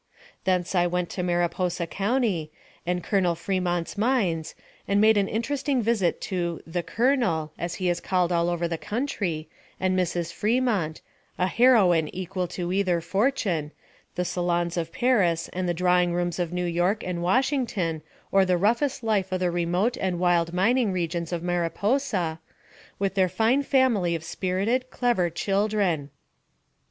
Thence I went to Mariposa County, and Colonel Fremont's mines, and made an interesting visit to "the Colonel," as he is called all over the country, and Mrs. Fremont, a heroine equal to either fortune, the salons of Paris and the drawing rooms of New York and Washington, or the roughest life of the remote and wild mining regions of Mariposa, with their fine family of spirited, clever children.